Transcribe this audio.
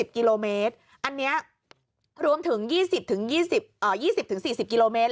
กิโลเมตรอันนี้รวมถึง๒๐๒๐๔๐กิโลเมตร